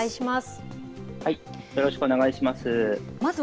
よろしくお願いします。